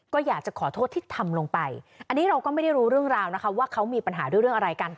ก็อยากจะขอโทษที่ทำลงไปอันนี้เราก็ไม่ได้รู้เรื่องราวนะคะว่าเขามีปัญหาด้วยเรื่องอะไรกัน